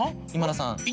今田さん。